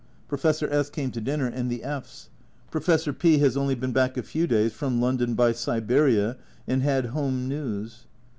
Professor S came to dinner, and the F s. Professor P has only been back a few days from London by Siberia, and had home news.